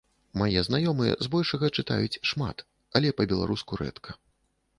Мае знаёмыя збольшага чытаюць шмат, але па-беларуску рэдка.